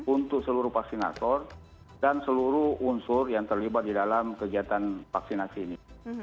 untuk seluruh vaksinator dan seluruh unsur yang terlibat di dalam kegiatan vaksinasi ini